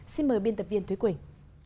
xin mời biên tập viên thúy quỳnh